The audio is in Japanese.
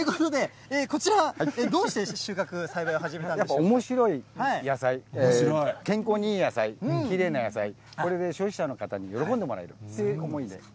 ということで、こちら、どうして収穫され始おもしろい野菜、健康にいい野菜、きれいな野菜、これで消費者の方に喜んでもらうという思い